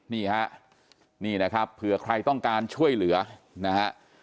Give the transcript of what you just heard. นี่ฮะนี่นะครับเผื่อใครต้องการช่วยเหลือนะฮะ